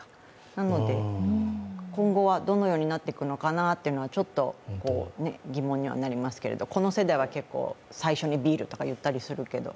なので、今後はどのようになっていくのか、ちょっと疑問にはなりますけど、この世代は結構、最初にビールとか言ったりしますけど。